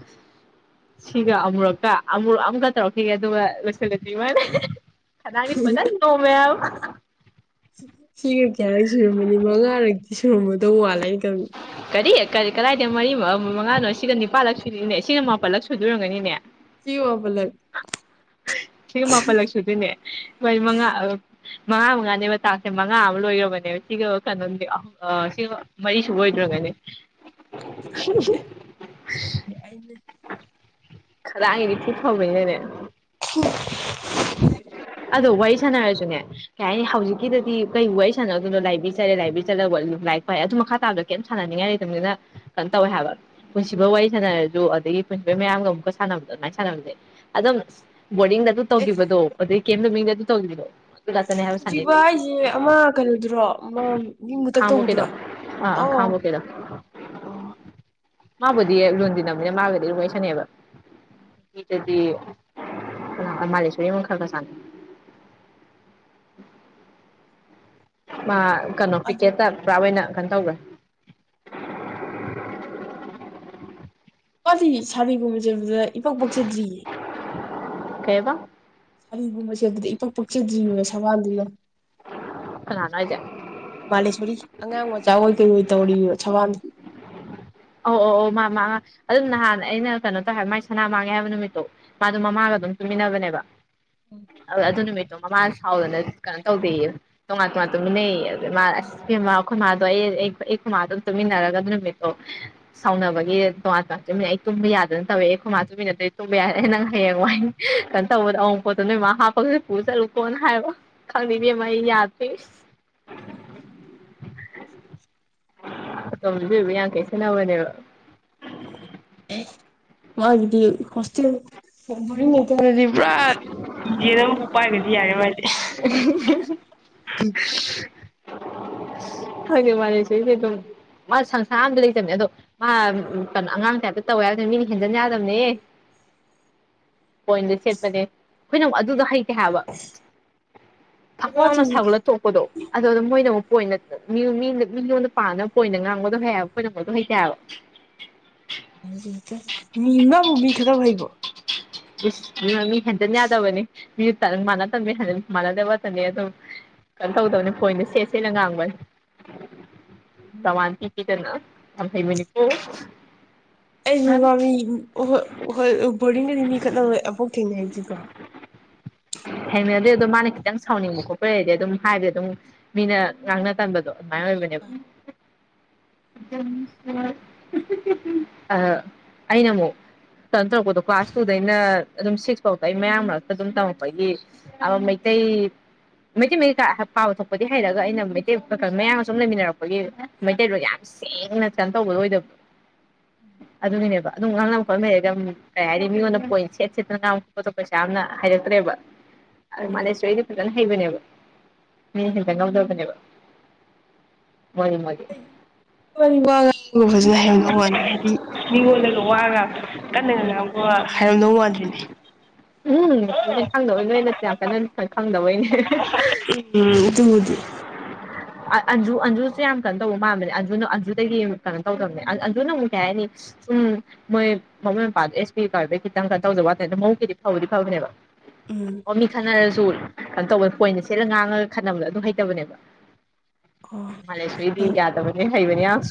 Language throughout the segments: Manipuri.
[inaudible] ꯁꯤꯒ ꯑꯃꯨꯔꯛꯀ ꯑꯃꯨꯔꯛ ꯑꯝꯒ ꯇꯧꯔꯛꯈꯤꯒꯦ ꯑꯗꯨꯒ ꯂꯣꯏꯁꯤꯜꯂꯖꯤ ꯏꯕꯥꯅꯤ꯫ ꯈꯗꯥꯡꯗꯤ ꯐꯖꯅ ꯅꯣꯝꯃꯦꯕ ꯁꯤꯒ ꯀꯌꯥꯔꯛ ꯁꯨꯔꯝꯃꯅꯤ ꯃꯉꯥꯔꯛꯇꯤ ꯁꯨꯔꯝꯃꯗꯧ ꯃꯥꯜꯂꯦ ꯑꯩꯅ ꯈꯪꯕꯗꯥ ꯀꯔꯤ ꯀꯗꯥꯏꯗ ꯃꯔꯤ ꯃꯉꯥꯅꯣ ꯁꯤꯒ ꯅꯤꯄꯥꯜ ꯂꯛ ꯁꯨꯗꯔꯤꯅꯦ ꯁꯤꯅ ꯃꯥꯄꯜ ꯂꯛ ꯁꯨꯗꯔꯝꯒꯅꯤꯅꯦ꯫ ꯁꯤꯒ ꯃꯥꯄꯥꯜ ꯂꯒ ꯁꯤꯒ ꯃꯥꯄꯜꯂꯛ ꯁꯨꯗꯣꯏꯅꯦ ꯕꯥꯅꯤ ꯃꯉꯥ ꯃꯉꯥ ꯃꯉꯥꯅꯦꯕ ꯇꯥꯛꯁꯦ ꯃꯉꯥ ꯑꯃ ꯂꯣꯏꯈꯔꯕꯅꯦꯕ ꯁꯤꯒ ꯀꯩꯅꯣꯅꯤ ꯑ ꯁꯤ ꯃꯔꯤꯁꯨꯕ ꯑꯣꯏꯗ꯭ꯔꯒꯅꯦ [unintelligible] [inaudible] ꯈꯗꯥꯡꯗꯤ ꯊꯤꯐꯕꯅꯤꯅꯅꯦ ꯑꯗꯣ ꯋꯥꯔꯤ ꯁꯥꯟꯅꯔꯁꯨꯅꯦ__ ꯀꯩ ꯍꯥꯏꯅꯤ ꯍꯧꯖꯤꯛꯀꯤꯗꯗꯤ ꯀꯩ ꯋꯥꯔꯤ ꯁꯥꯟꯅꯗꯣꯏꯅꯣꯥꯏꯕ꯭ꯔꯦꯔꯤ ꯆꯠꯂꯦꯥ ꯂꯥꯏꯕꯦꯔꯤ ꯆꯠꯂꯒ ꯑꯗꯨ ꯂꯥꯏꯛ ꯄꯥꯏ ꯑꯗꯨ ꯃꯈꯥꯇꯥꯕꯗ ꯀꯩꯝ ꯁꯥꯟꯅꯅꯤꯡꯉꯥꯏ ꯂꯩꯇꯕꯅꯤꯅ__ ꯀꯩꯅꯣ ꯇꯧꯋꯦ ꯍꯥꯏꯕ ꯄꯨꯟꯁꯤꯕ ꯋꯥꯔꯤ ꯁꯥꯟꯅꯔꯁꯨ ꯑꯗꯒꯤ ꯄꯨꯟꯁꯤꯕꯩ ꯃꯌꯥꯝꯒ ꯑꯃꯨꯛꯀ ꯁꯥꯟꯅꯕꯗꯣ ꯑꯗꯨꯃꯥꯏꯅ ꯁꯥꯟꯅꯕꯁꯦ__ ꯑꯗꯨꯝ ꯕꯣꯔꯗꯤꯡꯗ ꯑꯗꯨ ꯑꯦ ꯇꯧꯈꯤꯕꯗꯣ ꯑꯗꯩ ꯀꯦꯝ ꯅꯨꯃꯤꯡꯗ ꯑꯗꯨ ꯇꯧꯈꯤꯕꯗꯣ__ ꯄꯨꯟꯁꯤꯕ ꯍꯥꯏꯁꯦ ꯑꯃ ꯀꯩꯅꯣꯗꯨꯔꯣ ꯑꯃ ꯃꯤ ꯃꯨꯇꯛ ꯈꯥꯡꯕꯣꯛꯀꯤꯗꯣ ꯇꯧꯕꯗꯨꯔꯣ꯫ ꯑꯥ ꯑꯥ ꯑꯣ ꯈꯥꯡꯉꯕꯣꯛꯀꯤꯗꯣ꯫ ꯑꯣ ꯃꯥꯕꯨꯗꯤ ꯂꯨꯅ ꯇꯤꯟꯅꯕꯅꯤꯅ ꯃꯥꯒꯗꯤ ꯑꯗꯨ ꯋꯩꯁꯥꯅꯩꯌꯦꯕ꯫ ꯃꯤꯗꯗꯤ ꯀꯅꯥ ꯃꯥꯂꯦꯁꯣꯔꯃ ꯈꯥꯒꯥ ꯁꯥꯟꯅꯩ꯫ ꯃꯥ ꯀꯩꯅꯣ ꯑꯗꯨ ꯀ꯭ꯔꯤꯛꯀꯦꯠꯇ ꯄꯨꯔꯥ ꯑꯣꯏꯅ ꯀꯩꯅꯣ ꯇꯧꯈ꯭ꯔꯦ꯫ ꯃꯥꯗꯤ ꯁꯥꯔꯤꯒꯨꯝꯕ ꯆꯦꯕꯖꯦ ꯏꯄꯛ ꯄꯛꯆꯗ꯭ꯔꯤꯌꯦ꯫ ꯀꯩꯑꯥꯕ ꯁꯥꯔꯤꯒꯨꯝꯕ ꯁꯦꯕꯗ ꯏꯄꯛ ꯄꯛꯆꯗ꯭ꯔꯤꯑꯦꯕ ꯁꯕꯥꯜꯗꯨꯒ ꯥꯀꯅꯥꯅꯣ ꯍꯥꯏꯖꯦ ꯕꯥꯂꯦꯁꯣꯔꯤ ꯑꯉꯥꯡ ꯃꯆꯥ ꯑꯣꯏ ꯀꯔꯤꯑꯣꯏ ꯇꯧꯔꯤꯌꯦꯕ ꯁꯕꯥꯟ ꯑꯣ ꯑꯣ ꯑꯣ ꯃꯥ ꯃꯥ ꯑꯗꯨꯝ ꯅꯍꯥꯟ ꯑꯩꯅ ꯀꯩꯅꯣ ꯇꯧꯋꯦꯕ ꯃꯥꯏ ꯁꯅꯥ ꯃꯥꯡꯉꯦ ꯍꯥꯏꯕ ꯅꯨꯃꯤꯠꯇꯣ ꯃꯥꯗꯣ ꯃꯃꯥꯒ ꯑꯗꯨꯝ ꯆꯨꯃꯤꯟꯅꯕꯅꯦꯕ ꯑꯗꯨ ꯅꯨꯃꯤꯠ__ ꯑꯗꯣ ꯃꯃꯥꯅ ꯁꯥꯎꯗꯅ ꯀꯩꯅꯣ ꯇꯧꯗꯦꯌꯦ ꯇꯣꯉꯥꯟ ꯇꯣꯉꯥꯟ ꯇꯨꯃꯤꯅꯩꯌꯦ ꯑꯗ ꯃꯥꯅ ꯑꯁ__ ꯏꯕꯦꯝꯃꯥ ꯈꯣꯏꯃꯥꯗꯣ ꯑꯩ ꯑꯩ ꯈꯨꯃꯥꯗꯣ ꯑꯗꯨꯝ ꯇꯨꯃꯤꯟꯅꯔꯒ ꯑꯗꯨ ꯅꯨꯃꯤꯠꯇꯣ__ ꯁꯥꯎꯅꯕꯒꯤ ꯇꯣꯉꯥꯟ ꯇꯣꯉꯥꯟ ꯆꯨꯝꯃꯤꯅꯤ ꯑꯩ ꯇꯨꯝꯕ ꯌꯥꯗꯅ ꯇꯧꯋꯦ ꯑꯦ ꯈꯨꯃꯥ ꯆꯨꯝꯃꯤꯟꯅꯗꯗꯤ ꯇꯨꯝꯕ ꯌꯥꯗꯦꯅꯦ ꯅꯪ ꯍꯌꯦꯡꯋꯥꯏ__ ꯀꯩꯅꯣ ꯇꯧꯕꯗ ꯑꯋꯣꯄꯣꯇꯣ ꯅꯣꯏꯃ ꯍꯥꯄꯒ ꯄꯨꯑꯆꯠꯂꯨꯀꯣ ꯍꯥꯢꯕ ꯈꯪꯅꯤ ꯏꯕꯦꯃ ꯑꯩ ꯌꯥꯗ꯭ꯔꯦ [inaudible] [unintelligible] ꯏꯕꯦꯃ ꯌꯥꯝ ꯀꯦꯁꯤꯅꯕꯅꯦꯕ꯫ ꯑꯦ ꯃꯥꯒꯤꯗꯤ ꯍꯣꯁ꯭ꯇꯦꯜ__ [unintelligible] ꯄꯨꯔꯥ ꯌꯦꯟꯕꯨ ꯄꯥꯏꯒꯔꯗꯤ ꯌꯥꯔꯦ ꯃꯥꯥꯏꯗꯤ꯫ [unintelligible] ꯈꯪꯗꯦ ꯃꯥꯂꯦꯁꯣꯔꯤꯗꯤ ꯗꯨꯝ ꯃꯥ ꯁꯪꯁꯥꯔ ꯑꯝꯗ ꯂꯩꯇꯕꯅꯦ ꯑꯗꯣ ꯃꯥ ꯀꯩꯅꯣ ꯑꯉꯥꯡ ꯇꯥꯏꯞꯇ ꯇꯧꯑꯦ ꯍꯥꯏꯔꯅ ꯃꯤꯅ ꯍꯦꯟꯖꯤꯟ ꯌꯥꯗꯕꯅꯦ꯫ ꯄꯣꯏꯟꯗ ꯁꯦꯠꯄꯅꯦ ꯈꯣꯏꯅ ꯑꯃꯨꯛ ꯑꯗꯨꯗ ꯍꯩꯇꯦ ꯍꯥꯏꯕ꯫ ꯊꯛ ꯃꯥꯁꯨ ꯂꯥꯎꯅ ꯁꯥꯒꯠꯂ ꯊꯣꯛꯄꯗꯣ꯫ ꯑꯗꯣ ꯑꯗꯨꯝ ꯃꯣꯏꯅ ꯑꯃꯨꯛ ꯄꯣꯏꯟꯗ ꯃꯤ ꯂꯣꯟꯗ ꯄꯥꯅꯕ ꯄꯣꯏꯟꯗ ꯉꯥꯡꯕꯗꯣ ꯍꯩꯑꯦꯕ ꯈꯣꯏꯅ ꯑꯃꯨꯛ ꯑꯗꯣ ꯍꯩꯇꯦ ꯍꯥꯏꯕ꯫ ꯃꯤ ꯅꯪꯕꯨ ꯃꯤ ꯈꯠꯅꯕ ꯍꯩꯕ꯭ꯔꯣ꯫ ꯏꯁ ꯃꯤ ꯃꯤ ꯍꯦꯟꯗꯟ ꯌꯥꯗꯕꯅꯤ ꯃꯤ ꯇꯟ ꯃꯥꯟꯅꯗꯕꯅꯤ ꯍꯟ ꯃꯥꯟꯅꯗꯕꯇꯅꯤ ꯑꯗꯨꯝ ꯀꯩꯝ ꯇꯧꯗꯕꯅꯤ ꯄꯣꯏꯟꯗ ꯁꯦꯠ ꯁꯦꯠꯂ ꯉꯥꯡꯕꯅꯤ ꯃꯤ ꯄ꯭ꯔꯃꯥꯟ ꯄꯤ ꯄꯤꯗꯅ ꯌꯥꯝ ꯍꯩꯕꯅꯤꯀꯣ ꯑꯩꯗꯤ ꯃꯥ ꯃꯤ ꯍꯣꯢ ꯍꯣꯏ ꯕꯣꯔꯗꯤꯡꯗꯗꯤ ꯃꯤ ꯈꯠꯅꯕ ꯑꯝꯐꯧ ꯊꯦꯡꯅꯗ꯭ꯔꯤꯀꯣ ꯊꯦꯡꯅꯗꯦ ꯑꯗꯣ ꯃꯥꯅ ꯈꯤꯇꯪ ꯁꯥꯎꯅꯤꯡꯕ ꯈꯣꯠꯄ ꯂꯩꯔꯗꯤ ꯑꯗꯨꯝ ꯍꯥꯏꯗꯤ ꯑꯗꯨꯝ ꯃꯤꯅ ꯉꯥꯡꯅ ꯇꯟꯕꯗꯣ ꯑꯗꯨꯃꯥꯏ ꯑꯣꯏꯕꯅꯦ [unintelligible] ꯑꯥ ꯑꯩꯅꯃꯨꯛ ꯀꯩꯅꯣ ꯇꯧꯔꯛꯄꯗꯣ ꯀ꯭ꯂꯥꯁ ꯇꯨꯗꯩꯅ ꯑꯗꯨꯝ ꯁꯤꯛꯁ ꯐꯥꯎ ꯑꯩ ꯃꯌꯥꯝ ꯃꯔꯛꯇ ꯑꯗꯨꯝ ꯇꯝꯃꯛꯄꯒꯤ ꯑꯃ ꯃꯩꯇꯩ ꯃꯩꯇꯩ ꯃꯌꯦꯛꯀꯥ ꯄꯥꯕ ꯊꯣꯛꯄꯗꯤ ꯍꯩꯔꯒ ꯑꯩꯅ ꯃꯩꯇꯩ ꯈ ꯈ ꯃꯌꯥꯡꯒ ꯁꯨꯝ ꯂꯩꯃꯤꯟꯅꯔꯛꯄꯒꯤ ꯃꯩꯇꯩꯔꯣꯟ ꯌꯥꯝ ꯁꯦꯡꯅ ꯀꯩꯅꯣ ꯇꯧꯕꯗꯣ ꯑꯣꯏꯗꯕ ꯑꯗꯨꯒꯤꯅꯦꯕ ꯑꯗꯨ ꯉꯥꯡꯅꯕ ꯈꯣꯠꯅꯕ ꯍꯩꯔꯗꯤ ꯑꯃꯨꯛ ꯀꯩ ꯍꯥꯏꯅꯤ ꯃꯤꯉꯣꯟꯗ ꯄꯣꯏꯟ ꯁꯦꯠ ꯁꯦꯠꯇꯅ ꯉꯥꯡꯕ ꯈꯣꯠꯄꯗꯣ ꯀꯩꯁꯨ ꯌꯥꯝꯅ ꯍꯩꯔꯛꯇ꯭ꯔꯦꯕ ꯑꯪ ꯃꯥꯂꯦꯁꯣꯔꯗꯤ ꯐꯖꯅ ꯍꯩꯕꯅꯦꯕ ꯃꯤꯅ ꯍꯦꯟꯖꯟ ꯉꯝꯗꯕꯅꯦꯕ ꯃꯣꯜꯂꯤ ꯃꯣꯜꯂꯤ ꯃꯥꯗꯤ ꯋꯥ ꯉꯥꯡꯐꯧ ꯐꯖꯅ ꯍꯩꯔꯝꯗꯧ ꯎꯝ ꯃꯥꯟꯗꯦ ꯍꯥꯏꯗꯤ ꯃꯤꯉꯣꯟꯗꯒ ꯋꯥꯒ ꯀꯟꯅꯒ ꯉꯥꯡꯕ ꯍꯩꯔꯝꯗꯧ ꯃꯥꯗ꯭ꯔꯤꯅꯦ ꯎꯝ [unintelligible] ꯅꯣꯢꯅ ꯌꯥꯝ ꯀꯟꯅ ꯃꯁꯛ ꯈꯪꯪꯗꯕꯩꯅꯦ ꯎꯝ ꯑꯗꯨꯕꯨꯗꯤ [unintelligible] ꯑꯟ ꯑꯟꯖꯨ ꯑꯟꯖꯨꯁꯦ ꯌꯥꯝ ꯀꯩꯅꯣ ꯇꯧꯕ ꯃꯥꯟꯕꯅꯦ ꯑꯟꯖꯨꯅ ꯑꯟꯖꯨꯗꯒꯤ ꯀꯩꯅꯣ ꯇꯧꯗꯕꯅꯦ ꯑꯟ ꯑꯟꯖꯨꯅꯃꯨꯛ ꯀꯩ ꯍꯥꯏꯅꯤ ꯎꯝ ꯃꯣꯢ ꯃꯕꯨꯡ [unintelligible] ꯈꯤꯇꯪ ꯀꯩꯅꯣ ꯇꯧꯗꯕ ꯋꯥꯅꯦ ꯑꯗꯨ ꯃꯕꯨꯛꯄꯨꯗꯤ ꯐꯕꯗꯤ ꯐꯕꯅꯦꯕ ꯎꯝ [unintelligible] ꯈꯠꯅꯔꯁꯨ ꯀꯩꯅꯣ ꯇꯧꯕꯗ ꯄꯣꯏꯟꯗ ꯁꯦꯠꯂ ꯉꯥꯡꯉꯒ ꯈꯠꯅꯕꯗꯣ ꯑꯗꯨ ꯍꯩꯇꯕꯅꯦꯕ ꯑꯣ ꯃꯥꯂꯦꯁꯣꯔꯤꯗꯤ ꯍꯣꯏ ꯌꯥꯗꯕꯅꯦ ꯍꯩꯕꯅꯦ ꯌꯥꯝ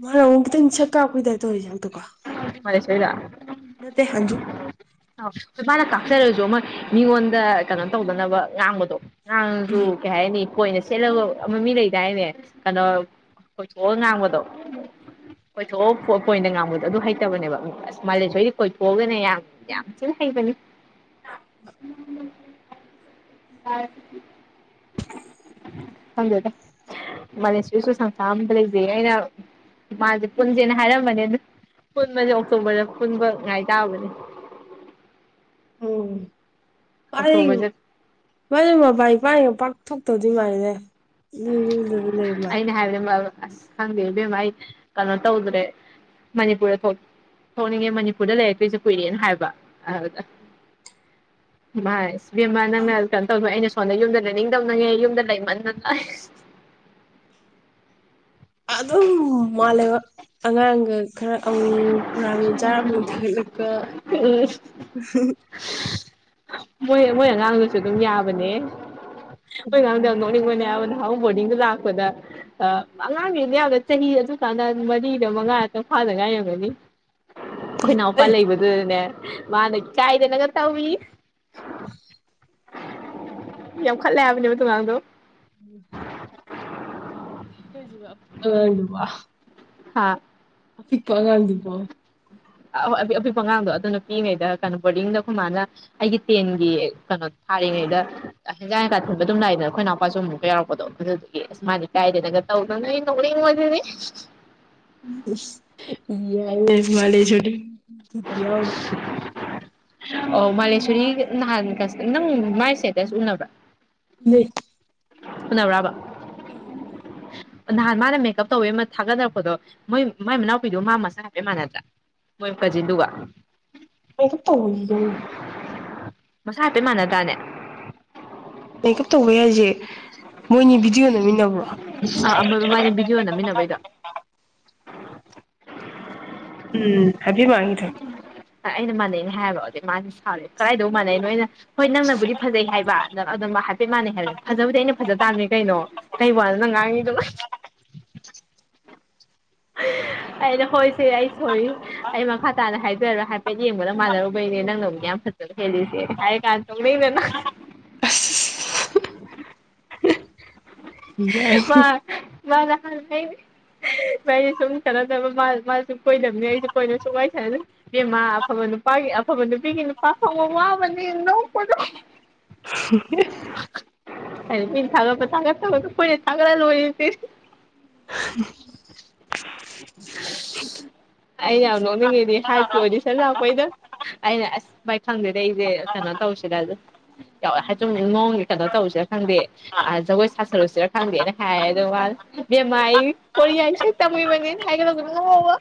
ꯃꯥꯅꯃꯨꯛ ꯈꯤꯇꯪ ꯁꯛ ꯀꯥꯛꯄꯩ ꯇꯥꯏꯞ ꯇꯧꯋꯦ ꯁꯛꯇꯣ ꯀꯣ ꯃꯥꯂꯦꯁꯣꯔꯤꯔꯣ ꯅꯠꯇꯦ ꯑꯟꯖꯨ ꯑꯧ ꯃꯥꯅ ꯀꯥꯛꯆꯔꯁꯨ ꯑꯃ ꯃꯤꯉꯣꯟꯗ ꯀꯩꯅꯣ ꯇꯧꯗꯅꯕ ꯉꯥꯡꯕꯗꯣ ꯉꯥꯡꯉꯁꯨ [unintelligible] ꯀꯩ ꯍꯥꯏꯅꯤ ꯄꯣꯏꯟꯗ ꯁꯦꯠꯂꯒ ꯑꯃ ꯃꯤ ꯂꯩꯗꯥꯏꯅꯦ ꯀꯩꯅꯣ ꯀꯣꯏꯊꯣꯛꯑ ꯉꯥꯡꯕꯗꯣ ꯀꯣꯏꯊꯣꯛꯑ ꯄꯣ ꯄꯣꯏꯟꯗ ꯉꯥꯡꯕꯗꯣ ꯑꯗꯨ ꯍꯩꯇꯕꯅꯦꯕ ꯃꯥꯂꯦꯁꯣꯔꯤ ꯀꯣꯏꯊꯣꯛꯑꯒꯅꯦ ꯌꯥꯝ ꯌꯥꯝ ꯊꯤ ꯍꯩꯕꯅꯤ [inaudible] ꯈꯪꯗꯦꯗ ꯃꯥꯂꯦꯁꯣꯔꯤꯁꯨ ꯁꯪꯁꯥꯔ ꯑꯃꯗ ꯂꯩꯖꯩ ꯑꯩꯅ ꯃꯥꯖꯦ ꯄꯨꯟꯖꯦꯅ ꯍꯥꯏꯔꯝꯕꯅꯦ ꯑꯗꯨ ꯄꯨꯟꯕꯁꯦ ꯑꯣꯛꯇꯣꯕꯔꯗ ꯄꯨꯟꯕ ꯉꯥꯏ ꯇꯥꯕꯅꯦ ꯎꯝ ꯑꯣꯛꯇꯣꯕꯔꯁꯦ [unintelligible] ꯃꯥꯗꯤ ꯃꯄꯥꯟ ꯏꯄꯥꯟꯒ ꯄꯥꯛ ꯊꯣꯛꯇꯕꯗꯤ ꯃꯥꯜꯂꯤꯅꯦ ꯑꯗꯨꯝ ꯌꯨꯝꯗꯨꯗ ꯂꯩꯕ ꯃꯥꯜꯂꯦ [unintelligible] ꯈꯪꯗꯦ ꯏꯕꯦꯝꯃ ꯑꯩ ꯀꯩꯅꯣ ꯇꯧꯗ꯭ꯔꯦ ꯃꯅꯤꯄꯨꯔꯗ ꯊꯣꯛ ꯊꯣꯛꯅꯤꯡꯉꯦ ꯃꯅꯤꯄꯨꯔꯗ ꯂꯩꯔꯛꯇ꯭ꯔꯤꯁꯦ ꯀꯨꯏꯔꯦꯅ ꯍꯥꯏꯕ ꯑꯗꯨꯗ ꯏꯃꯥꯢ ꯏꯕꯦꯝꯕꯥ ꯅꯪꯅ ꯀꯩꯅꯣ ꯇꯧꯕ ꯑꯩꯅ ꯁꯣꯝꯗ ꯌꯨꯝꯗ ꯂꯩꯅꯤꯡꯗꯕꯅꯅꯦ ꯌꯨꯝꯗ ꯂꯩꯃꯟꯗꯅ ꯑꯗꯨꯝ ꯃꯥꯂꯦꯕ ꯑꯉꯥꯡꯒ ꯈꯔ ꯑꯃꯨ ꯒ꯭ꯔꯥꯃꯤꯟ ꯆꯥꯔ ꯑꯃꯨꯛ ꯊꯥꯒꯠꯂꯛꯄ ꯎꯝ [unintelligible] ꯃꯣꯏ ꯃꯣꯏ ꯑꯉꯥꯡꯗꯨꯁꯨ ꯑꯗꯨꯝ ꯌꯥꯕꯅꯦ ꯃꯣꯏ ꯑꯉꯥꯡꯗꯣ ꯌꯥꯝ ꯅꯣꯛꯅꯤꯡꯕꯅꯦ ꯍꯥꯏꯕ ꯅꯍꯥꯟꯃꯨꯛ ꯕꯣꯔꯗꯤꯡꯗ ꯂꯥꯛꯄꯗ ꯑꯉꯥꯡꯅꯤꯗ ꯌꯥꯝꯅ ꯆꯍꯤ ꯑꯗꯨ ꯀꯥꯟꯗ ꯃꯔꯤꯔ ꯃꯉꯥꯔ ꯇꯪ ꯐꯥꯗ ꯉꯥꯏꯔꯤ ꯑꯣꯏꯔꯝꯒꯅꯤ ꯑꯩꯈꯣꯏ ꯅꯥꯎꯄꯥ ꯍꯩ ꯂꯩꯕꯗꯨꯗꯅꯦ ꯃꯥꯅ ꯏꯀꯥꯏꯗꯅꯒ ꯇꯧꯔꯤ ꯌꯥꯝ ꯈꯠꯂꯦ ꯍꯥꯏꯕꯅꯦꯕ ꯑꯗꯨ ꯑꯉꯥꯡꯗꯣ [inaudible] [unintelligible] ꯍꯥ ꯑꯄꯤꯛꯄ ꯑꯉꯥꯡꯗꯨꯕꯣ ꯑꯣꯏ ꯑꯄꯤꯛꯄ ꯑꯉꯥꯡꯗꯣ ꯑꯗꯨꯅ ꯅꯨ ꯄꯤꯔꯤꯉꯩꯗ ꯀꯩꯅꯣ ꯕꯣꯔꯗꯤꯡꯗ ꯈꯣꯢꯃꯥꯅ ꯑꯩꯒꯤ ꯇꯦꯟꯒꯤ ꯀꯩꯅꯣ ꯊꯥꯔꯤꯉꯩꯗ ꯍꯦꯟꯖꯥꯡ ꯍꯦꯟꯀꯥ ꯊꯤꯟꯕ ꯑꯗꯨꯝ ꯂꯥꯛꯏꯗꯅ ꯑꯩꯈꯣꯏ ꯅꯥꯎꯄꯥꯁꯨ ꯑꯃꯨꯛꯀ ꯌꯥꯎꯔꯛꯄꯗꯣ ꯑꯗꯨꯗꯤ ꯏꯁ ꯃꯥꯅꯥ ꯢꯀꯥꯢꯗꯅꯒ ꯇꯧꯗꯅ ꯑꯩ ꯅꯣꯛꯅꯤꯡꯕꯖꯤꯗꯤ ꯏꯁ ꯌꯥꯏꯅꯦ ꯃꯥꯂꯦꯁꯣꯔꯤ [unintelligible] ꯑꯣ ꯃꯥꯂꯦꯁꯣꯔꯤ ꯅꯍꯥꯟꯒ ꯅꯪ ꯃꯥꯏ ꯁꯇꯦꯇꯁ ꯎꯅꯕ꯭ꯔꯥ [unintelligible] ꯎꯅꯕ꯭ꯔꯥꯕ ꯎꯝ ꯎꯅꯩ ꯅꯍꯥꯟ ꯃꯥꯅ ꯃꯦꯀꯞ ꯇꯧꯕꯩ ꯑꯃ ꯊꯥꯒꯠꯗꯔꯛꯄꯗꯣ ꯃꯣꯏ ꯃꯥꯏ ꯃꯅꯥꯎꯄꯤꯗꯣ ꯃꯥ ꯃꯁꯆꯥ ꯍꯥꯞꯄꯦ ꯃꯥꯟꯅꯗ꯭ꯔꯥ ꯃꯣꯏ ꯀꯥꯖꯤꯗꯨꯒ [unintelligible] ꯃꯁꯥꯛ ꯍꯥꯏꯐꯦꯠ ꯃꯥꯟꯅꯗꯔꯥꯅꯦ ꯃꯦꯀꯞ ꯇꯧꯕꯦ ꯍꯥꯏꯁꯦ ꯃꯣꯏꯅꯤ ꯚꯤꯗꯤꯑꯣ ꯅꯝꯃꯤꯟꯅ ꯑꯥ ꯕꯥꯏꯅꯤ ꯕꯤꯗꯤꯑꯣ ꯅꯝꯃꯤꯟꯅꯕꯩꯗꯣ ꯎꯝ [unintelligible] ꯑꯩꯅ ꯃꯥꯟꯅꯩꯩꯅ ꯍꯥꯏꯔꯨꯔꯗꯤ ꯑꯗꯨꯗ ꯃꯥꯗꯤ ꯁꯥꯥꯎꯋꯦ ꯀꯗꯥꯏꯗ ꯃꯥꯟꯅꯩ ꯅꯣꯏꯅ ꯍꯣꯏ ꯅꯪꯅꯕꯨꯗꯤ ꯐꯖꯩ ꯍꯥꯏꯕ ꯑꯗꯨ ꯍꯥꯏꯐꯦꯠ ꯃꯥꯟꯅꯩ ꯍꯥꯏꯕꯅꯦ ꯐꯖꯕꯨꯗꯤ ꯑꯩꯅ ꯐꯖ ꯇꯥꯕꯅꯤ ꯀꯩꯅꯣ ꯀꯩ ꯋꯥꯅꯣ ꯅꯪ ꯉꯥꯡꯉꯤꯗꯨꯅ [unintelligible] ꯑꯩꯅ ꯍꯣꯏꯁꯦ ꯑꯩ ꯁꯣꯔꯤ ꯑꯩ ꯃꯈꯥ ꯇꯥꯅ ꯍꯥꯏꯗꯔꯔꯣ ꯍꯥꯏꯐꯦꯠ ꯌꯦꯡꯕꯒ ꯃꯥꯟꯅꯔꯨꯕꯩꯅꯦ ꯅꯪꯅꯕꯨꯗꯤ ꯌꯥꯝ ꯐꯖꯩ ꯐꯖꯕ ꯍꯦꯜꯂꯤꯁꯦ ꯍꯥꯢ ꯀꯥꯟꯗꯥ ꯅꯣꯡꯂꯛꯏꯕ ꯑꯁ [unintelligible] [unintelligible] ꯢꯕꯥꯅꯤ ꯁꯨꯝ ꯃꯥꯁꯨ ꯀꯣꯏꯅꯕꯅꯦ ꯑꯩꯁꯨ ꯀꯣꯏꯅꯕ ꯁꯨꯡ ꯋꯥꯔꯤ ꯁꯥꯟꯅꯗꯣꯢꯅꯦ ꯏꯕꯦꯝꯃꯥ ꯑꯐꯕ ꯅꯨꯄꯥꯒꯤ ꯑꯐꯕ ꯅꯨꯄꯤꯒꯤ ꯅꯨꯄꯥ ꯐꯪꯕ ꯋꯥꯕꯅꯤ ꯅꯣꯛꯄꯖꯤ [unintelligible] ꯑꯥ ꯃꯤ ꯊꯥꯒꯠꯄ ꯊꯥꯒꯠ ꯑꯈꯣꯢꯅ ꯊꯥꯒꯠꯂ ꯂꯣꯢꯔꯦꯁꯦ ꯑꯩꯅ ꯌꯥꯝ ꯅꯣꯛꯅꯤꯡꯉꯤꯗꯤ ꯍꯥꯏꯠꯀꯤ ꯑꯣꯏꯗꯤꯁꯟ ꯂꯥꯛꯄꯩꯗꯣ ꯑꯩꯅ ꯑꯁ ꯚꯥꯏ ꯈꯪꯗꯦꯗ ꯑꯩꯁꯦ ꯀꯩꯅꯣ ꯇꯧꯁꯤꯗ [unintelligible] ꯀꯩꯅꯣ ꯇꯧꯁꯦ ꯈꯪꯗꯦ ꯖꯒꯣꯏ ꯁꯥꯁꯔꯨꯁꯤꯔ ꯈꯪꯗꯦꯅ ꯍꯥꯏ ꯑꯗꯨꯒꯗ ꯃꯥꯃꯥꯏ ꯏꯕꯦꯝꯃꯥ ꯑꯩ ꯀꯣꯔꯤꯌꯥꯒꯤ ꯇꯝꯃꯤꯕꯅꯦ ꯍꯥꯏꯒꯠꯂꯛꯄꯩ ꯅꯣꯛꯄ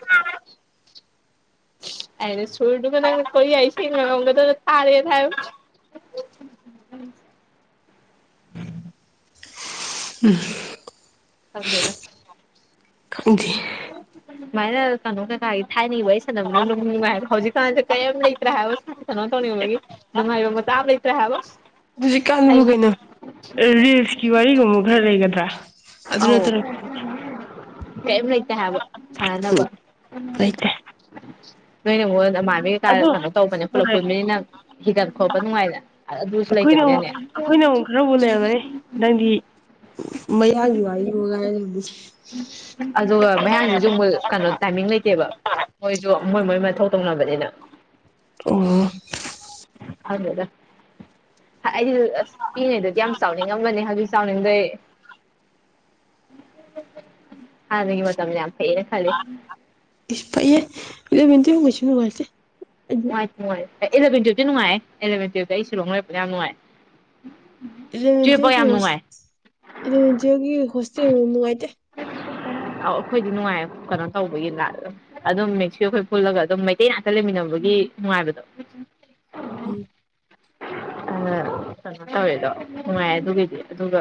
ꯑꯥꯅ ꯁꯨꯔꯗꯨꯒ ꯅꯪꯅ ꯀꯣꯔꯤꯌꯥ ꯏꯁꯩ ꯉꯪꯉꯝꯒꯗꯕ ꯊꯥꯔꯦ ꯎꯝ ꯈꯪꯗꯦꯗ ꯈꯪꯗꯦ [unintelligible] ꯁꯨꯃꯥꯏꯅ ꯀꯩꯅꯣ ꯀꯩꯀꯥꯒꯤ ꯊꯥꯏꯅꯕ ꯑꯩ ꯁꯥꯟꯝꯅꯅꯨꯡꯅꯤꯡꯕ ꯍꯥꯏꯕ ꯍꯧꯖꯤꯛꯀꯥꯟꯁꯦ ꯀꯔꯤꯝ ꯂꯩꯇ꯭ꯔꯥ ꯍꯥꯏꯕ ꯀꯩꯅꯣ ꯇꯧꯅꯤꯡꯕꯩ ꯅꯨꯡꯉꯥꯏꯕ ꯃꯇꯥ ꯂꯩꯇ꯭ꯔꯦ ꯍꯥꯏꯕ ꯍꯧꯖꯤꯛꯀꯥꯟꯕꯨ ꯑꯩꯅꯦ ꯀꯩꯅꯣ ꯔꯤꯜꯁꯀꯤ ꯋꯥꯔꯤꯒꯨꯝꯕ ꯈꯔ ꯂꯩꯒꯗ꯭ꯔꯥ ꯑꯗꯨ ꯑꯧ ꯅꯠꯇꯅ ꯀꯔꯤꯝ ꯂꯩꯇꯦ ꯍꯥꯏꯕ ꯁꯥꯟꯅꯅꯕ ꯂꯩꯇꯦ ꯅꯣꯏꯅꯉꯣ ꯅꯃꯥꯟꯅꯕꯤ ꯑꯗꯣ ꯀꯩꯅꯣ ꯇꯧꯕꯅꯦ ꯍꯣꯏ ꯄꯨꯂꯞ ꯀꯨꯕꯅꯤꯅ ꯍꯤꯒꯠ ꯈꯣꯠꯄ ꯅꯨꯡꯉꯥꯏꯗꯅ ꯑꯗꯨꯁꯨ ꯑꯩꯈꯣꯏꯅ ꯑꯃꯨꯛ ꯂꯩꯇꯕꯅꯤꯅꯅꯦ ꯑꯩꯈꯣꯏꯅ ꯑꯃꯨꯛ ꯈꯔꯕꯨ ꯂꯩꯔꯝꯒꯅꯤ ꯅꯪꯗꯤ ꯃꯌꯥꯢ [unintelligible] ꯌꯦꯡꯉꯒꯥꯏꯔ ꯑꯗꯨꯒ ꯃꯌꯥꯟꯒꯤꯁꯨ ꯑꯃꯨꯛ ꯀꯩꯅꯣ ꯇꯥꯏꯃꯤꯡ ꯂꯩꯇꯦꯕ ꯃꯣꯏꯁꯨ ꯃꯣꯏ ꯃꯣꯏ ꯃꯊꯧ ꯇꯧꯅꯕꯅꯤꯅ ꯑꯣ ꯈꯪꯗꯦꯗ ꯑꯩꯗꯤ ꯑꯁ ꯄꯤꯅꯉꯩꯗꯗꯤ ꯌꯥꯝ ꯆꯥꯎꯅꯤꯡꯉꯝꯕꯅꯦ ꯍꯧꯖꯤꯛ ꯆꯥꯎꯅꯤꯡꯗꯔꯦ ꯍꯥꯟꯅꯒꯤ ꯃꯇꯝꯅ ꯌꯥꯝ ꯐꯩꯅ ꯈꯜꯂꯤ ꯏꯁ ꯐꯩꯌꯦ ꯏꯂꯚꯦꯟ [unintelligible] ꯇꯨꯌꯦꯄ ꯑꯣꯏꯁꯨ ꯅꯨꯉꯥꯏꯇꯦ ꯅꯨꯡꯉꯥꯢ ꯅꯨꯡꯉꯥꯏ ꯏꯂꯚꯦꯟ ꯇꯨꯋꯜꯞꯇꯤ ꯅꯨꯡꯉꯥꯏꯌꯦ ꯏꯂꯚꯦꯟ ꯇꯨꯋꯜꯞꯇꯤ ꯑꯩ ꯁꯤꯂꯣꯡꯗ ꯂꯧꯔꯛꯄꯅ ꯌꯥꯝ ꯅꯨꯡꯉꯥꯏ ꯏꯂꯚꯦꯟ ꯇꯨꯌꯦꯜ ꯇꯨꯌꯦꯜꯞꯐꯥꯎ ꯌꯥꯝ ꯅꯨꯡꯉꯥꯏ ꯏꯂꯚꯦꯟ ꯇꯨꯋꯜꯀꯤ ꯍꯣꯁꯇꯦꯜ ꯅꯨꯡꯉꯥꯏꯇꯦ ꯑ ꯑꯩꯈꯣꯏꯗꯤ ꯅꯨꯡꯉꯥꯏ ꯀꯩꯅꯣ ꯇꯧꯕꯒꯤ ꯅꯥ ꯑꯗꯨꯝ ꯃꯦꯛꯁꯤꯌ ꯑꯩꯈꯣꯏ ꯄꯨꯜꯂꯒ ꯑꯗꯨꯝ ꯃꯩꯇꯩ ꯉꯥꯛꯇ ꯂꯩꯃꯤꯟꯅꯕꯒꯤ ꯅꯨꯡꯉꯥꯏꯕꯗꯣ ꯎꯝ ꯑꯥ ꯀꯩꯅꯣ ꯇꯧꯋꯦꯗꯣ ꯅꯨꯡꯉꯥꯏꯌꯦ ꯑꯗꯨꯒꯤꯗꯤ ꯑꯗꯨꯒ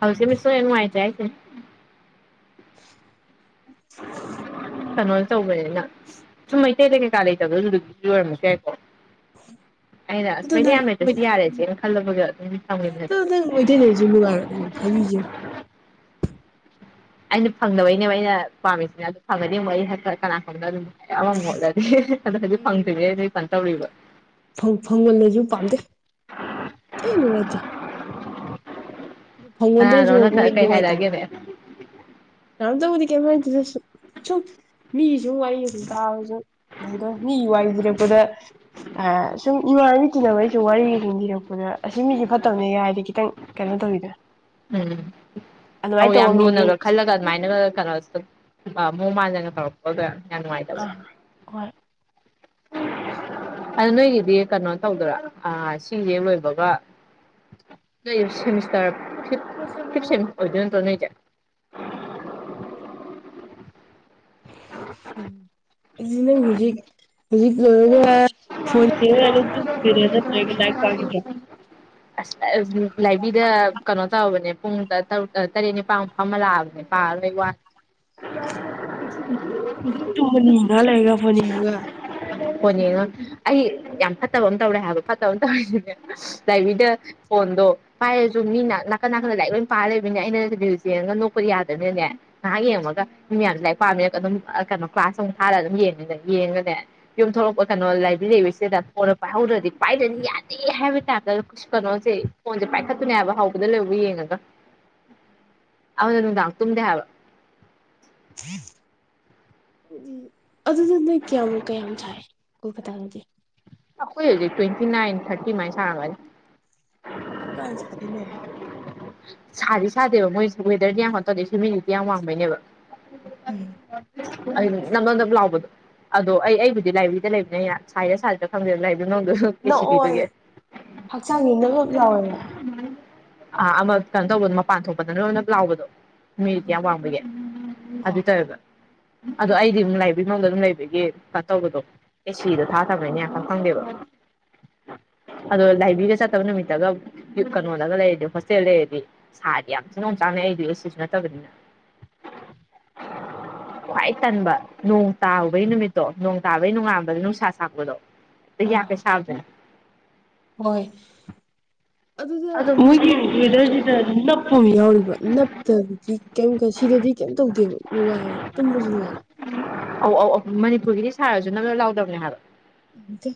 ꯍꯧꯖꯤꯛꯃꯥ ꯁꯨꯑꯦꯅꯨ [unintelligible] ꯉꯥꯏꯇꯔꯦ ꯍꯥꯏꯁꯤꯅꯤ ꯀꯩꯅꯣꯁꯨ ꯇꯧꯒꯔꯦ ꯅꯪ ꯁꯨꯝ ꯃꯩꯇꯩ ꯀꯩꯀꯥ ꯂꯩꯇꯕꯩꯁꯨ ꯑꯣꯏꯔꯝꯃꯁꯨ ꯌꯥꯏꯀꯣ ꯑꯩꯅ ꯑꯗꯨ ꯑꯁꯨꯃꯥꯏꯗ [unintelligible] ꯅꯪ ꯌꯥꯝ ꯂꯩꯗ꯭ꯔꯁꯨ ꯌꯥꯔꯦꯎ ꯈꯜꯂꯒ ꯑꯗꯨꯝ ꯊꯥꯝꯒꯤꯕꯅꯦ ꯃꯩꯇꯩ ꯂꯩꯔꯁꯨ ꯅꯨꯡꯉꯥꯢꯔꯣꯢ ꯍꯥꯏꯕꯤꯒꯦꯌꯣ ꯑꯩꯅ ꯐꯪꯗꯕꯩꯅꯦꯕ ꯑꯩꯅ ꯄꯥꯝꯃꯤꯁꯤꯅ ꯑꯗꯨ ꯐꯪꯒꯅꯤ ꯑꯃꯨꯛ ꯑꯩ ꯀꯅꯥ ꯈꯪꯕꯅꯣ ꯑꯗꯨꯝ ꯑꯃꯃꯨꯛ ꯍꯣꯠꯂꯗꯤ ꯑꯗꯨ ꯍꯧꯖꯤꯛ ꯐꯪꯗ꯭ꯔꯤꯕꯅꯤꯅ ꯑꯩ ꯀꯩꯅꯣ ꯇꯧꯔꯤꯕ ꯐꯪꯃꯥꯜꯂꯁꯨ ꯄꯥꯝꯗꯦ ꯊꯤ ꯅꯨꯡꯉꯥꯏꯇꯦ ꯐꯪꯃꯥꯜꯗ꯭ꯔꯁꯨ ꯍꯣꯏ ꯀꯅꯥꯅꯣꯝꯅ ꯀꯩ ꯅꯨꯡꯉꯥꯏꯇꯕ ꯍꯥꯏꯔꯛꯑꯒꯦꯅꯦ ꯀꯅꯥꯝꯇꯕꯨꯗꯤ ꯀꯦꯝ ꯍꯥꯢꯗꯦꯗ ꯁꯨꯝ ꯃꯤꯁꯨ ꯋꯥꯔꯤ ꯁꯨꯝ ꯇꯥꯕꯗ ꯃꯤ ꯋꯥꯔꯤ ꯂꯤꯔꯛꯄꯗ ꯑꯥ ꯁꯨꯝ ꯏꯃꯥꯅꯕꯤꯇꯤꯅꯕꯩꯁꯨ ꯋꯥꯔꯤꯒ ꯁꯨꯝ ꯂꯤꯔꯛꯄꯗ ꯑꯁꯤ ꯃꯤꯁꯦ ꯐꯠꯇꯕꯅꯦ ꯀꯥ ꯍꯥꯏꯔꯗꯤ ꯈꯤꯇꯪ ꯀꯩꯅꯣ ꯇꯧꯏꯗꯥꯅ ꯎꯝ ꯑꯥ ꯇꯧꯕ ꯌꯥꯝ ꯃꯤꯗꯤ ꯂꯨꯅꯒ ꯈꯜꯂꯒ ꯑꯗꯨꯃꯥꯏꯅꯒ ꯀꯩꯅꯣ ꯑꯗꯨꯝ ꯃꯑꯣꯡ ꯃꯥꯟꯗꯅꯒ ꯇꯧꯔꯛꯄꯗꯣ ꯌꯥꯝ ꯅꯨꯡꯉꯥꯏꯇꯕꯅꯦ ꯑꯥ ꯍꯣꯏ ꯑꯗꯨ ꯅꯣꯏꯒꯤꯗꯤ ꯀꯩꯅꯣ ꯇꯧꯗꯣꯏꯔꯥ ꯁꯤꯁꯦ ꯍꯦꯛ ꯂꯣꯏꯕꯒ ꯅꯣꯏ ꯁꯦꯃꯤꯁꯇꯔ ꯐꯤꯞ ꯐꯤꯞ ꯁꯦꯃꯤꯁꯇꯔ ꯑꯣꯏꯗꯨꯏ ꯅꯠꯇ꯭ꯔꯣ ꯅꯣꯏꯁꯦ ꯑꯝ ꯍꯧꯖꯤꯛꯅ ꯍꯧꯖꯤꯛ ꯂꯣꯏꯔꯕ ꯐꯣꯟ ꯌꯦꯡꯑꯒ ꯑꯗꯨꯝꯇꯨꯝꯗꯣꯏꯔ ꯅꯠꯇꯔꯒ ꯂꯥꯏꯔꯤꯛ ꯄꯥꯈꯤꯗ꯭ꯔꯣ ꯑꯁ ꯂꯥꯏꯕꯔꯦꯔꯤꯗ ꯀꯩꯅꯣ ꯇꯧꯕꯅꯦ ꯄꯨꯡꯨ ꯇꯔꯦꯠ ꯅꯤꯄ ꯑꯃ ꯂꯥꯕꯅꯦ ꯄꯥꯕꯩ ꯋꯥ [unintelligible] ꯇꯨꯅꯤꯒꯥ ꯂꯩꯒ ꯐꯣꯟꯅꯤꯒ [unintelligible] ꯐꯣꯟ ꯌꯦꯡꯉ ꯑꯩ ꯌꯥꯝ ꯐꯠꯇꯕ ꯑꯃ ꯇꯧꯔꯦ ꯍꯥꯏꯕ ꯐꯠꯇꯕ ꯑꯃ ꯇꯧꯔꯤꯁꯤꯅ ꯂꯥꯏꯕ꯭ꯔꯦꯔꯤꯗ ꯐꯣꯟꯗꯣ ꯄꯥꯏꯔꯁꯨ ꯃꯤꯅ ꯅꯥꯀꯟ ꯅꯥꯀꯟꯗ ꯂꯥꯏꯔꯤꯛ ꯂꯣꯏ ꯄꯥꯔ ꯂꯩꯕꯅꯦ ꯑꯩꯅ ꯔꯦꯁ ꯌꯦꯡꯉꯒ ꯅꯣꯛꯄꯗꯤ ꯌꯥꯗꯝꯅꯤꯅꯅꯦ ꯉꯥꯏꯍꯥꯛ ꯌꯦꯡꯉꯒ ꯃꯤ ꯃꯌꯥꯝꯁꯨ ꯂꯥꯏꯔꯤꯛ ꯄꯥꯝꯃꯤꯔ ꯑꯗꯨꯝ ꯀꯩꯅꯣ ꯀ꯭ꯂꯥꯁ ꯑꯃꯛ ꯊꯥꯔꯒ ꯑꯗꯨꯝ ꯌꯦꯡꯉ ꯌꯦꯡꯉꯒꯅꯦ ꯌꯨꯝ ꯊꯣꯛꯂꯛꯄ ꯀꯩꯅꯣ ꯂꯥꯏꯕ ꯂꯩꯕꯁꯤꯗ ꯄꯥꯏꯍꯧꯗ꯭ꯔꯗꯤ ꯄꯥꯏꯗꯅꯤ ꯌꯥꯗꯦ ꯍꯥꯏꯕ ꯇꯥꯏꯞꯇ ꯀꯩꯅꯣꯁꯦ ꯐꯣꯟꯁꯦ ꯄꯥꯏꯈꯠꯇꯨꯅꯦ ꯍꯥꯏꯕ ꯍꯧꯕꯗ ꯂꯣꯢꯕꯥꯎ ꯌꯦꯡꯉꯒ ꯑꯗꯨꯅ ꯅꯨꯡꯗꯥꯡ ꯇꯨꯝꯗꯦ ꯍꯥꯏꯕ ꯑꯗꯨꯗꯨ ꯅꯣꯏ ꯀꯌꯥꯃꯨꯛ ꯀꯌꯥꯝ ꯁꯥꯏ ꯎꯕ ꯇꯥꯔꯗꯤ ꯑꯩꯈꯣꯏ ꯍꯧꯖꯤꯛ ꯇ꯭ꯋꯦꯟꯇꯤ ꯅꯥꯏꯟ ꯊꯥꯔꯇꯤ ꯃꯥꯏꯅ ꯁꯥꯔꯝꯒꯅꯤ ꯀꯥ ꯍꯦꯟꯅ ꯁꯥꯕꯤꯅꯦ ꯁꯥꯗꯤ ꯁꯥꯗꯦꯕ ꯃꯣꯏꯁꯨ ꯋꯦꯗꯔꯗꯤ ꯌꯥꯝ ꯋꯥꯠꯇꯧꯗꯦ ꯍꯨꯃꯤꯗꯤꯇꯤ ꯌꯥꯝ ꯋꯥꯡꯕꯩꯅꯦꯕ [unintelligible] ꯅꯞ ꯅꯞ ꯂꯥꯎꯕꯗꯣ ꯑꯗꯣ ꯑꯩꯕꯨꯗꯤ ꯂꯥꯏꯕꯦꯔꯤꯗ ꯂꯩꯕꯅꯤ ꯁꯥꯏꯔꯥ ꯁꯥꯗꯔꯤꯔꯥ ꯈꯪꯗꯦꯕ ꯂꯥꯏꯕ꯭ꯔꯦꯔꯤ ꯌꯨꯝꯂꯣꯝꯗꯁꯨ ꯑꯦꯁꯤ ꯄꯤꯕꯒꯦ ꯍꯛꯆꯥꯡꯅꯤ ꯅꯥꯞ ꯅꯥꯞ ꯂꯥꯎꯋꯦꯕ ꯑꯥ ꯑꯃ ꯀꯩꯅꯣ ꯇꯧꯕꯗꯣ ꯃꯄꯥꯟ ꯊꯣꯛꯄꯗꯅ ꯅꯞ ꯅꯞ ꯂꯥꯎꯕꯗꯣ ꯍꯨꯃꯤꯗꯤꯇꯤ ꯌꯥꯝ ꯋꯥꯡꯕꯒꯦ ꯑꯗꯨ ꯇꯧꯋꯦꯕ ꯑꯗꯣ ꯑꯩꯗ ꯂꯥꯏꯕ꯭ꯔꯦꯔꯤ ꯃꯅꯨꯡꯗ ꯑꯗꯨꯝ ꯂꯩꯕꯒꯤ ꯇꯧꯕꯗꯣ ꯑꯦ ꯁꯤꯗꯣ ꯊꯥꯗꯕꯅꯦ ꯌꯥꯝ ꯄꯥꯛ ꯈꯪꯗꯦꯕ ꯑꯗꯣ ꯂꯥꯏꯕ꯭ꯔꯦꯔꯤꯒ ꯆꯠꯇꯕ ꯅꯨꯃꯤꯠꯇꯒ ꯌꯨꯝ ꯀꯩꯅꯣꯗꯒ ꯂꯩ ꯍꯣꯁꯇꯦꯜ ꯂꯩꯔꯗꯤ ꯁꯥꯢ ꯌꯥꯝ ꯊꯤ ꯑꯣꯝꯆꯥꯛꯅꯩ ꯑꯩꯗ ꯑꯦ ꯁꯤꯁꯨ ꯅꯠꯇꯕꯅꯤꯅ ꯈ꯭ꯋꯥꯏ ꯇꯟꯕ ꯅꯣꯡ ꯇꯥꯨꯕꯩ ꯅꯨꯃꯤꯠꯇꯣ ꯅꯣꯡ ꯇꯥꯕꯩ ꯅꯣꯡꯉꯥꯥꯟꯕꯗ ꯅꯨꯡꯁꯥ ꯁꯥꯄꯗꯣ ꯑꯗꯨ ꯌꯥ ꯑꯥ ꯀꯩ ꯍꯦꯟꯅ ꯁꯥꯗ꯭ꯔꯦꯗꯅ ꯍꯣꯏ ꯑꯗꯨꯗ ꯑꯗꯨꯝ ꯃꯣꯏꯒꯤ ꯋꯦꯗꯔꯁꯤꯗ ꯅꯞꯄ ꯑꯃ ꯌꯥꯎꯔꯤꯕ ꯅꯞꯇꯕꯗꯤ ꯀꯩꯝ ꯁꯤꯗꯗꯤ ꯀꯩꯝ ꯇꯧꯗꯦꯕ ꯅꯨꯡꯉꯥꯏꯑꯕ ꯇꯨꯝꯕꯁꯨ ꯅꯨꯡꯉꯥꯏ ꯑꯧ ꯑꯧ ꯑꯧ ꯃꯅꯤꯄꯨꯔꯒꯤꯗꯤ ꯁꯥꯔꯁꯨ ꯅꯞ ꯅꯞ ꯂꯥꯎꯗꯕꯅꯦ ꯍꯥꯏꯕ ꯅꯨꯡꯉꯥꯏ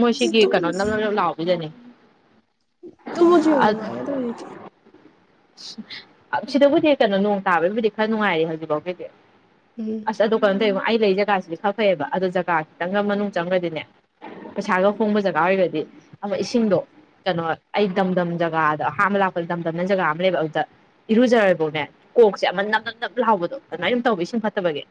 ꯃꯣꯏ ꯁꯤꯒꯤ ꯀꯩꯅꯣ ꯅꯞ ꯅꯞ ꯂꯥꯎꯕꯤꯗꯅꯦ ꯇꯨꯝꯕꯁꯨ ꯌꯥꯝ ꯅꯨꯡꯉꯥꯢꯗ ꯍꯧꯖꯤꯛꯇꯤ ꯁꯤꯗꯕꯨꯗꯤ ꯀꯩꯅꯣ ꯅꯣꯡ ꯇꯥꯕꯒꯤꯕꯨꯗꯤ ꯈꯔ ꯅꯨꯡꯉꯥꯏꯔꯤ ꯍꯧꯖꯤꯛ ꯐꯥꯎꯒꯤꯗꯤ ꯎꯝ ꯑꯁ ꯀꯩꯅꯣ ꯇꯧꯔꯦꯉꯣ ꯑꯩ ꯂꯩ ꯖꯒꯥꯁꯤꯗꯤ ꯈꯛ ꯐꯩꯕ ꯑꯗ ꯖꯒꯥ ꯈꯤꯇꯪ ꯃꯅꯨꯡ ꯆꯪꯈ꯭ꯔꯗꯤꯅꯦ ꯄꯩꯁꯥꯒ ꯍꯣꯡꯕ ꯖꯒꯥ ꯑꯣꯏꯔꯗꯤ ꯑꯃ ꯏꯁꯤꯡꯗꯣ ꯀꯩꯅꯣ ꯑꯩ ꯗꯝꯗꯝ ꯖꯒꯥꯗꯣ ꯑꯍꯥꯟꯕ ꯂꯥꯛꯄꯗ ꯗꯝꯗꯝꯅ ꯖꯒꯥ ꯑꯗꯨꯕꯨꯅꯦ ꯏꯔꯨꯖꯔꯕꯧꯅꯦ ꯀꯣꯛꯁꯦ ꯑꯃ ꯅꯞ ꯅꯞ ꯅꯞ ꯂꯍꯥꯎꯕꯗꯣ ꯑꯗꯨꯃꯥꯏꯅ ꯑꯗꯨꯝ ꯇꯧꯕ ꯏꯁꯤꯡ ꯐꯠꯇꯕꯒꯤ